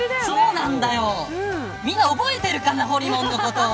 みんな、覚えてるかなほりもんのこと。